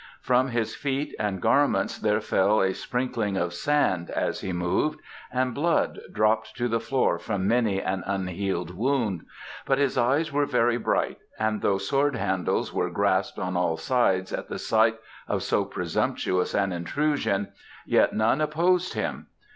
From his feet and garment there fell a sprinkling of sand as he moved, and blood dropped to the floor from many an unhealed wound, but his eyes were very bright, and though sword handles were grasped on all sides at the sight of so presumptuous an intrusion, yet none opposed him.